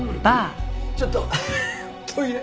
ちょっとトイレ。